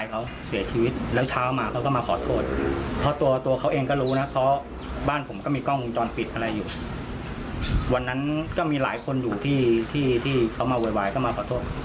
อยู่ที่เขามาไหวก็มาประโทษ